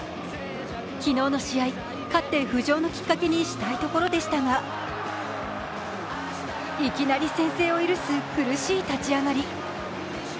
昨日の試合、勝って浮上のきっかけにしたいところでしたが、いきなり先制を許す苦しい立ち上がり。